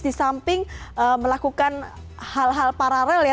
di samping melakukan hal hal paralel ya